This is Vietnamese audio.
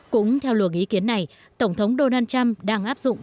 cũng theo luồng ý kiến này tổng thống donald trump đang áp dụng